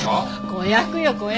子役よ子役。